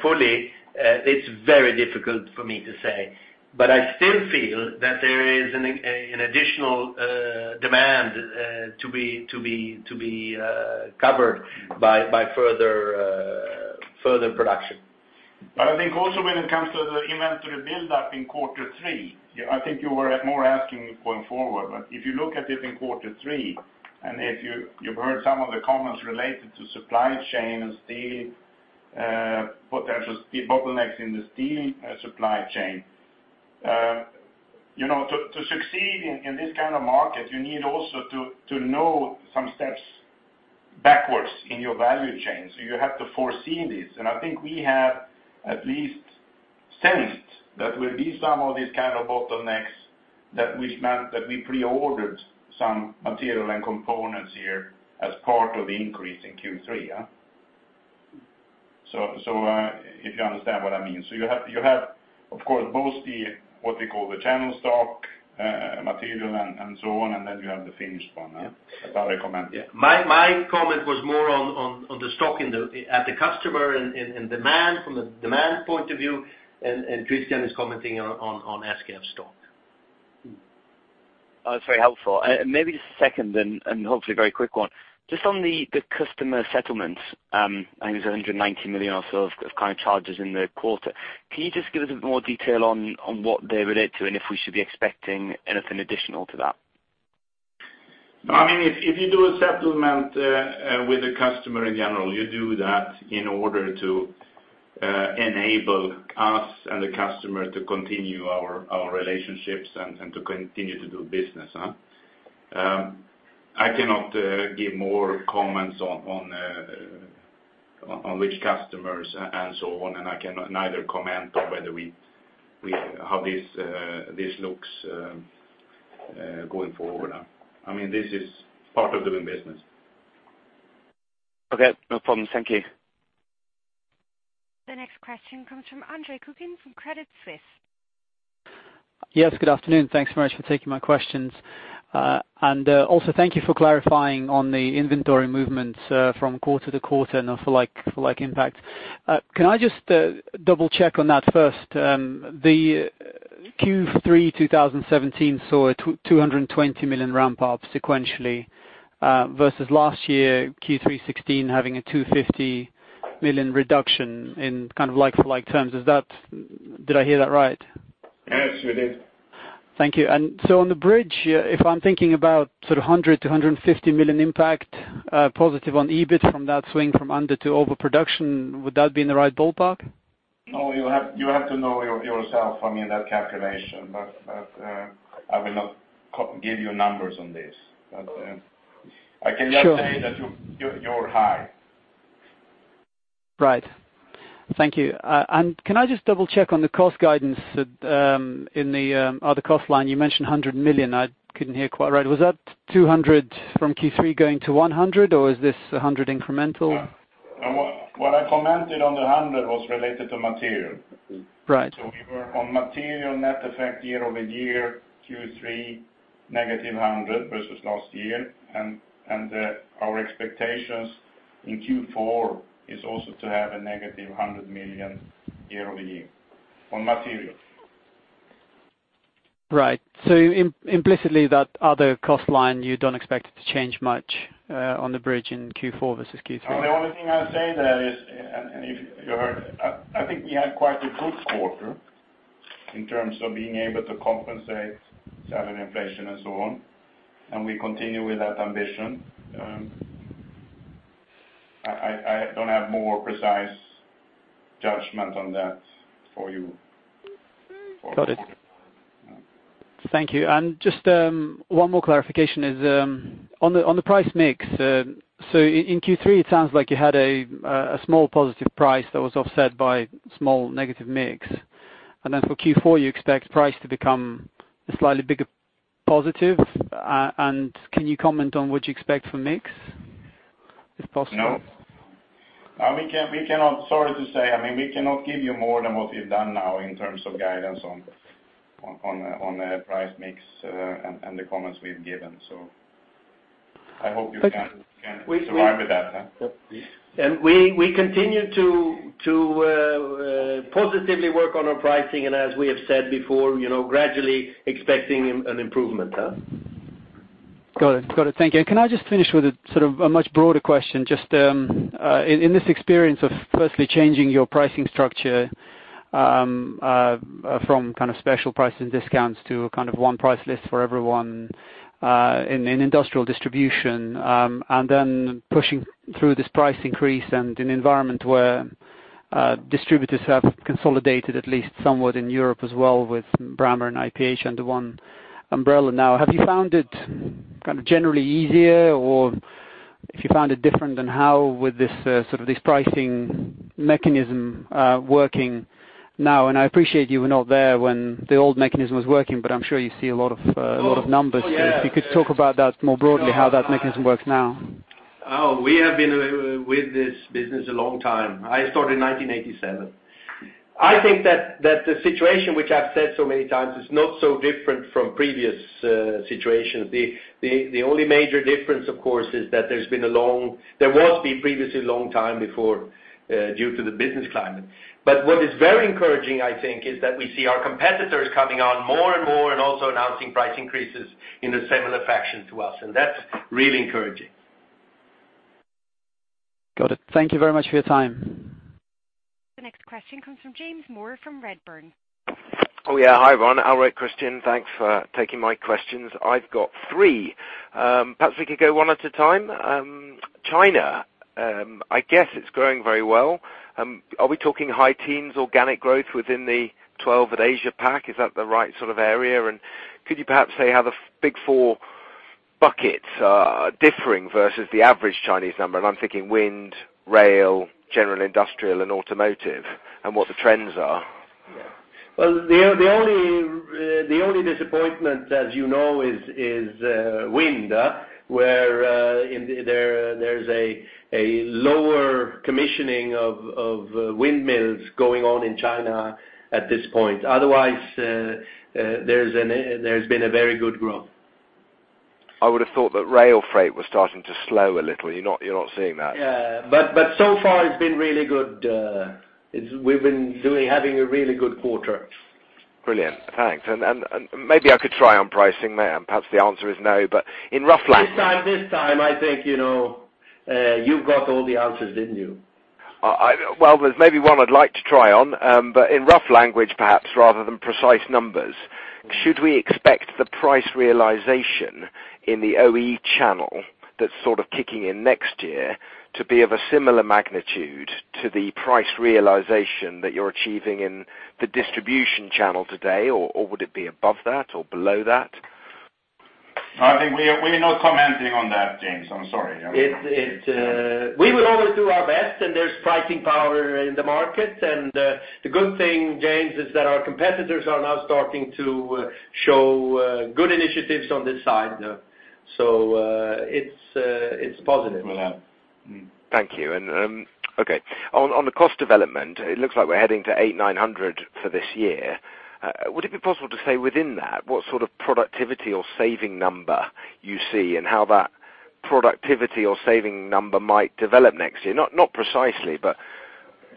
fully? It's very difficult for me to say, but I still feel that there is an additional demand to be covered by further production. But I think also when it comes to the inventory build-up in quarter three, yeah, I think you were at more asking going forward. But if you look at it in quarter three, and if you've heard some of the comments related to supply chain and steel, potential speed bottlenecks in the steel supply chain. You know, to succeed in this kind of market, you need also to know some steps backwards in your value chain. So you have to foresee this, and I think we have at least sensed that there will be some of these kind of bottlenecks, that which meant that we pre-ordered some material and components here as part of the increase in Q3, yeah? So, if you understand what I mean. So you have, you have, of course, both the, what we call the channel stock material, and, and so on, and then you have the finished one, yeah, as I recommended. Yeah. My comment was more on the stock at the customer and demand from the demand point of view, and Christian is commenting on SKF stock. Oh, that's very helpful. Maybe just a second and hopefully a very quick one. Just on the customer settlements, I think it's 190 million or so of kind of charges in the quarter. Can you just give us a bit more detail on what they relate to, and if we should be expecting anything additional to that? I mean, if you do a settlement with a customer in general, you do that in order to enable us and the customer to continue our relationships and to continue to do business, huh? I cannot give more comments on which customers and so on, and I cannot neither comment on whether we how this looks going forward. I mean, this is part of doing business. Okay, no problems. Thank you. The next question comes from Andre Kukhnin from Credit Suisse. Yes, good afternoon. Thanks very much for taking my questions. And also thank you for clarifying on the inventory movement, from quarter to quarter, and also like-for-like impact. Can I just double-check on that first? The Q3 2017 saw a 220 million ramp up sequentially, versus last year, Q3 2016, having a 250 million reduction in kind of like-for-like terms. Is that... Did I hear that right? Yes, you did. Thank you. And so on the bridge, if I'm thinking about sort of 100 million-150 million impact, positive on EBIT from that swing from under to overproduction, would that be in the right ballpark? No, you have to know yourself. I mean, that calculation, but I will not give you numbers on this. But, Sure. I can just say that you, you're high. Right. Thank you. And can I just double-check on the cost guidance that, in the other cost line, you mentioned 100 million. I couldn't hear quite right. Was that 200 from Q3 going to 100, or is this 100 incremental? No. What, what I commented on the 100 was related to material. Right. So we were on material net effect quarter-over-quarter, Q3, -100 million versus last year, and our expectations in Q4 is also to have a -100 million quarter-over-quarter on material. Right. So implicitly, that other cost line, you don't expect it to change much, on the bridge in Q4 versus Q3? The only thing I'll say there is, and if you heard, I think we had quite a good quarter in terms of being able to compensate salary inflation and so on, and we continue with that ambition. I don't have more precise judgment on that for you. Got it. Yeah. Thank you. And just, one more clarification is, on the, on the price mix. So in Q3, it sounds like you had a, a small positive price that was offset by small negative mix. And then for Q4, you expect price to become a slightly bigger positive? And can you comment on what you expect for mix, if possible? No. We cannot... Sorry to say, I mean, we cannot give you more than what we've done now in terms of guidance on price mix and the comments we've given. So I hope you can- Okay... can survive with that, huh? We continue to positively work on our pricing, and as we have said before, you know, gradually expecting an improvement, huh? Got it. Got it. Thank you. Can I just finish with a sort of a much broader question, just, in this experience of firstly changing your pricing structure, from kind of special prices and discounts to kind of one price list for everyone, in industrial distribution, and then pushing through this price increase in an environment where distributors have consolidated at least somewhat in Europe as well with Brammer and IPH under one umbrella now? Have you found it kind of generally easier, or if you found it different, then how would this sort of this pricing mechanism working now? And I appreciate you were not there when the old mechanism was working, but I'm sure you see a lot of a lot of numbers. Oh, yeah. If you could talk about that more broadly, how that mechanism works now? Oh, we have been with this business a long time. I started in 1987. I think that the situation, which I've said so many times, is not so different from previous situations. The only major difference, of course, is that there's been a long time before due to the business climate. But what is very encouraging, I think, is that we see our competitors coming on more and more and also announcing price increases in a similar fashion to us, and that's really encouraging.... Got it. Thank you very much for your time. The next question comes from James Moore from Redburn. Oh, yeah. Hi, everyone. Alrik, Christian, thanks for taking my questions. I've got three. Perhaps we could go one at a time. China, I guess it's growing very well. Are we talking high teens organic growth within the twelve at Asia Pac? Is that the right sort of area? And could you perhaps say how the big four buckets are differing versus the average Chinese number? And I'm thinking wind, rail, general industrial, and automotive, and what the trends are. Well, the only disappointment, as you know, is wind, where there is a lower commissioning of windmills going on in China at this point. Otherwise, there has been a very good growth. I would have thought that rail freight was starting to slow a little. You're not, you're not seeing that? Yeah. But so far it's been really good. We've been doing, having a really good quarter. Brilliant. Thanks. And maybe I could try on pricing there, and perhaps the answer is no, but in rough language- This time, this time, I think, you know, you've got all the answers, didn't you? Well, there's maybe one I'd like to try on, but in rough language, perhaps, rather than precise numbers, should we expect the price realization in the OE channel that's sort of kicking in next year to be of a similar magnitude to the price realization that you're achieving in the distribution channel today, or would it be above that or below that? I think we are not commenting on that, James. I'm sorry. We will always do our best, and there's pricing power in the market. And, the good thing, James, is that our competitors are now starting to show good initiatives on this side. So, it's positive for that. Thank you. And, okay, on the cost development, it looks like we're heading to 800-900 for this year. Would it be possible to say within that, what sort of productivity or saving number you see and how that productivity or saving number might develop next year? Not, not precisely, but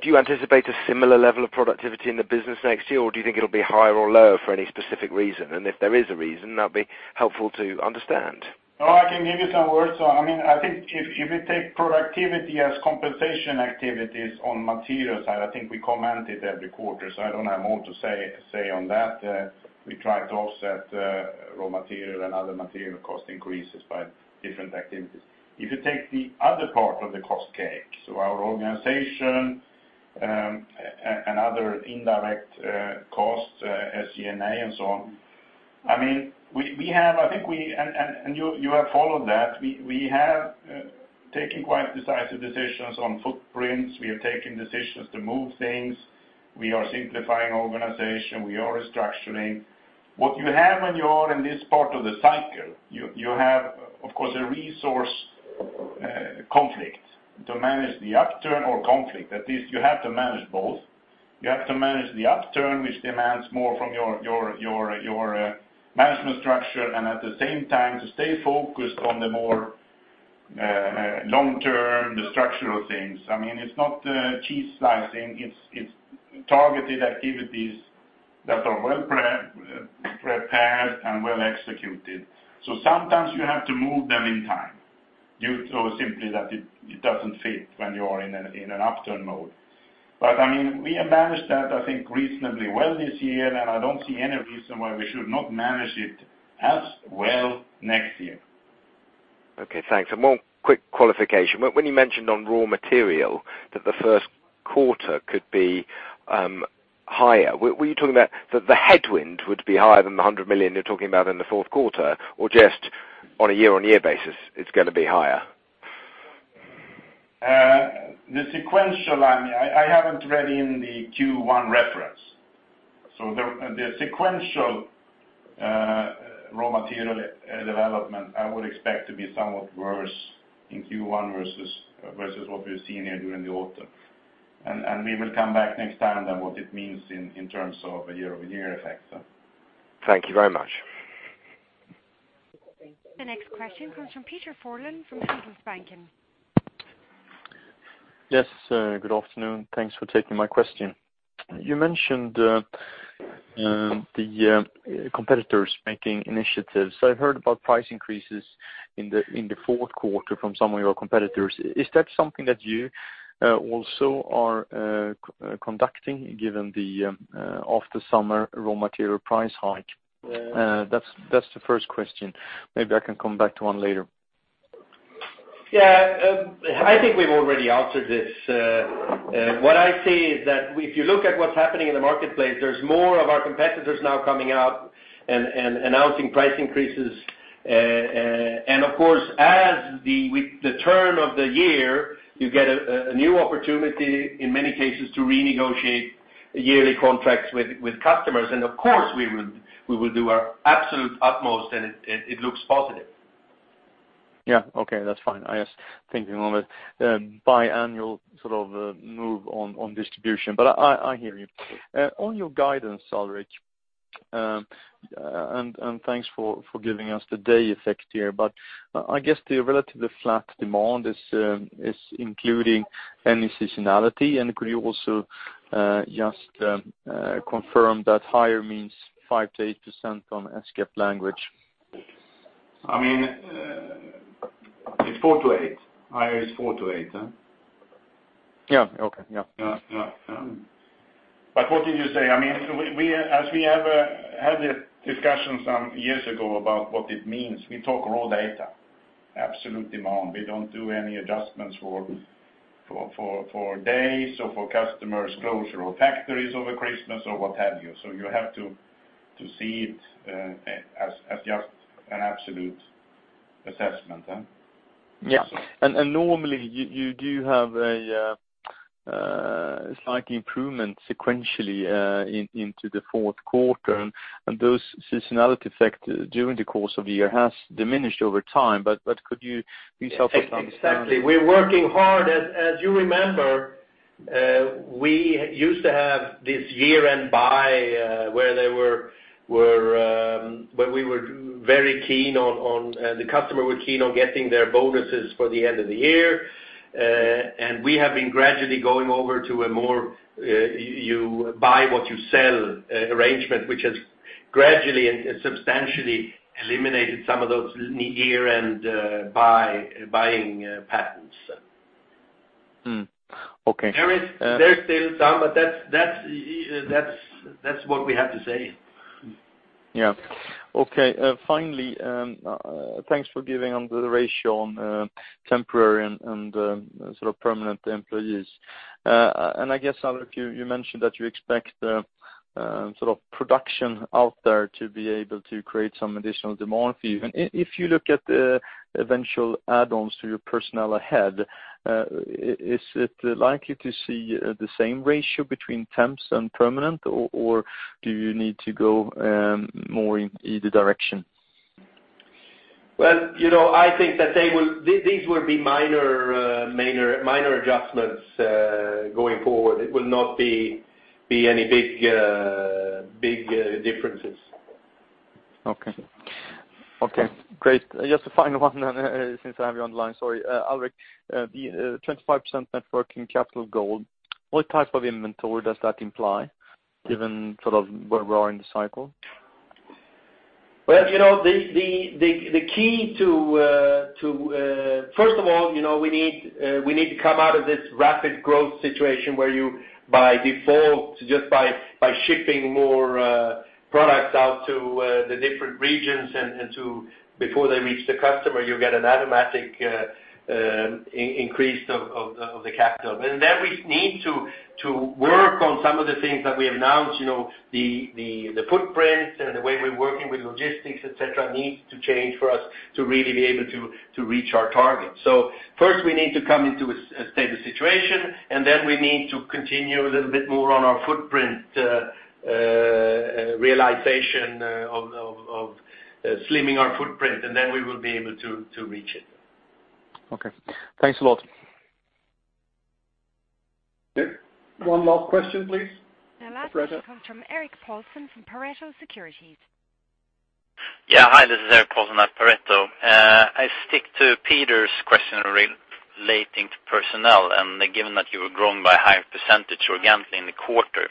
do you anticipate a similar level of productivity in the business next year, or do you think it'll be higher or lower for any specific reason? And if there is a reason, that'd be helpful to understand. Oh, I can give you some words. So, I mean, I think if you take productivity as compensation activities on material side, I think we commented every quarter, so I don't have more to say on that. We try to offset raw material and other material cost increases by different activities. If you take the other part of the cost cake, so our organization, and other indirect costs, SG&A, and so on, I mean, we have. I think we, and you have followed that. We have taken quite decisive decisions on footprints. We have taken decisions to move things. We are simplifying organization. We are restructuring. What you have when you are in this part of the cycle, you have, of course, a resource conflict to manage the upturn or conflict. At least you have to manage both. You have to manage the upturn, which demands more from your management structure, and at the same time, to stay focused on the more long-term, the structural things. I mean, it's not cheese slicing, it's targeted activities that are well prepared and well executed. So sometimes you have to move them in time, due to simply that it doesn't fit when you are in an upturn mode. But, I mean, we have managed that, I think, reasonably well this year, and I don't see any reason why we should not manage it as well next year. Okay, thanks. One quick qualification. When you mentioned on raw material that the Q1 could be higher, were you talking about that the headwind would be higher than the 100 million you're talking about in the Q4, or just on a year-on-year basis, it's gonna be higher? The sequential line, I haven't read in the Q1 reference, so the sequential raw material development, I would expect to be somewhat worse in Q1 versus what we've seen here during the autumn. We will come back next time on what it means in terms of a quarter-over-quarter effect, so. Thank you very much. The next question comes from Peder Frölén, from Handelsbanken. Yes, good afternoon. Thanks for taking my question. You mentioned the competitors making initiatives. I've heard about price increases in the Q4 from some of your competitors. Is that something that you also are conducting, given the over-the-summer raw material price hike? Yeah. That's the first question. Maybe I can come back to one later. Yeah, I think we've already answered this. What I see is that if you look at what's happening in the marketplace, there's more of our competitors now coming out and announcing price increases. And of course, as with the turn of the year, you get a new opportunity in many cases to renegotiate yearly contracts with customers. And of course, we will do our absolute utmost, and it looks positive. Yeah. Okay, that's fine. I was thinking of a biannual sort of move on distribution, but I hear you. On your guidance, Alrik, and thanks for giving us the day effect here, but I guess the relatively flat demand is including any seasonality. And could you also just confirm that higher means 5%-8% on SKF language?... I mean, it's four-eight. Higher is four-eight, huh? Yeah, okay. Yeah. Yeah, yeah, but what can you say? I mean, we, as we ever had a discussion some years ago about what it means, we talk raw data, absolute demand. We don't do any adjustments for days or for customers closure or factories over Christmas or what have you. So you have to see it as just an absolute assessment, huh? Yeah. And normally, you do have a slight improvement sequentially into the Q4, and those seasonality effect during the course of the year has diminished over time, but could you please help us out? Exactly. We're working hard. As you remember, we used to have this year-end buy, where they were, where we were very keen on, on... The customer were keen on getting their bonuses for the end of the year. And we have been gradually going over to a more, you buy what you sell, arrangement, which has gradually and substantially eliminated some of those year-end, buy, buying, patterns. Mm. Okay. There's still some, but that's what we have to say. Yeah. Okay, finally, thanks for giving on the ratio on temporary and sort of permanent employees. And I guess, Alrik, you mentioned that you expect sort of production out there to be able to create some additional demand for you. And if you look at the eventual add-ons to your personnel ahead, is it likely to see the same ratio between temps and permanent, or do you need to go more in either direction? Well, you know, I think that these will be minor adjustments going forward. It will not be any big differences. Okay. Okay, great. Just a final one, since I have you on the line. Sorry, Alrik, the 25% Net Working Capital goal, what type of inventory does that imply, given sort of where we are in the cycle? Well, you know, the key to... First of all, you know, we need to come out of this rapid growth situation where you, by default, just by shipping more products out to the different regions and to before they reach the customer, you get an automatic increase of the capital. And then we need to work on some of the things that we announced, you know, the footprints and the way we're working with logistics, et cetera, needs to change for us to really be able to reach our target. First, we need to come into a stable situation, and then we need to continue a little bit more on our footprint realization of slimming our footprint, and then we will be able to reach it. Okay. Thanks a lot. One more question, please. The last comes from Erik Paulsson from Pareto Securities. Yeah. Hi, this is Erik Paulsson at Pareto. I stick to Peder's question relating to personnel, and given that you were growing by a higher percentage organically in the quarter,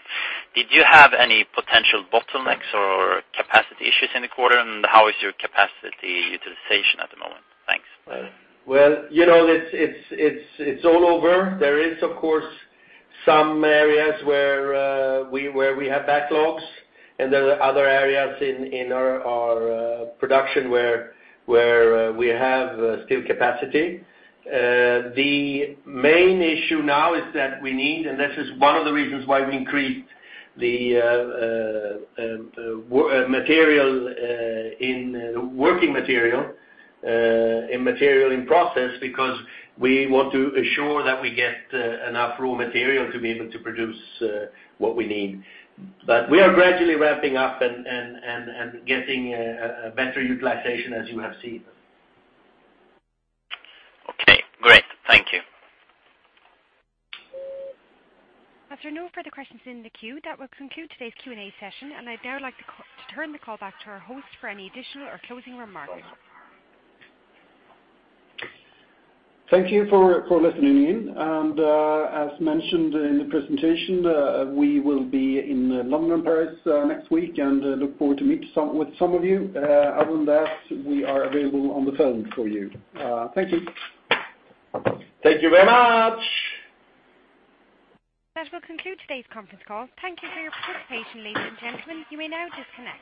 did you have any potential bottlenecks or capacity issues in the quarter? And how is your capacity utilization at the moment? Thanks. Well, you know, it's all over. There is, of course, some areas where we have backlogs, and there are other areas in our production where we have still capacity. The main issue now is that we need, and this is one of the reasons why we increased the material in process, because we want to ensure that we get enough raw material to be able to produce what we need. But we are gradually ramping up and getting a better utilization, as you have seen. Okay, great. Thank you. After no further questions in the queue, that will conclude today's Q&A session, and I'd now like to turn the call back to our host for any additional or closing remarks. Thank you for listening in. As mentioned in the presentation, we will be in London, Paris next week, and look forward to meet with some of you. Other than that, we are available on the phone for you. Thank you. Thank you very much! That will conclude today's conference call. Thank you for your participation, ladies and gentlemen. You may now disconnect.